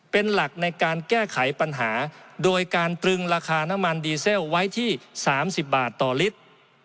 เป็นหลักในการแก้ไขปัญหาโดยการตรึงราคาน้ำมันดีเซลไว้ที่๓๐บาทต่อลิตร